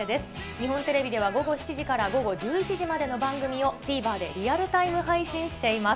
日本テレビでは、午後７時から午後１１時までの番組を、ＴＶｅｒでリアルタイム配信しています。